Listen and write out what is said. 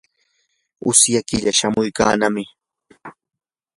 usya killa chamuykannami.